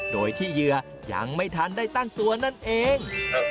โดยที่เหยื่อยังไม่ทันได้ตั้งตัวนั่นเอง